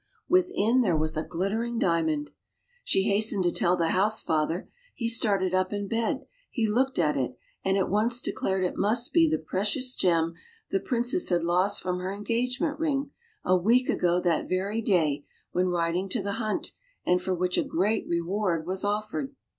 within there was a glit tering diamond ! She hastened to tell the house father; he started up in bed, he looked at it, and at once declared it must be the precious gem the Princess had lost from her engage ment ring, a week ago that very day, when riding to the hunt, and for which a great reward was offered.